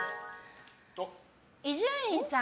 伊集院さん